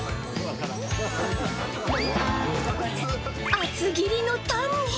厚切りのタンに。